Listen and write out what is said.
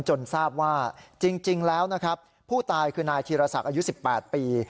จนทราบว่าจริงแล้วนะครับผู้ตายคือนายธีรศักดิ์อายุ๑๘ปี